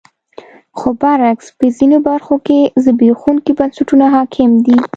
خو برعکس په ځینو برخو کې زبېښونکي بنسټونه حاکم دي.